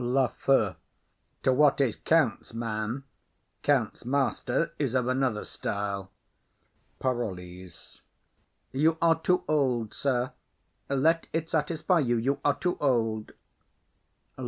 LAFEW. To what is count's man: count's master is of another style. PAROLLES. You are too old, sir; let it satisfy you, you are too old.